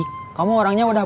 tuhan nulis banget ya plante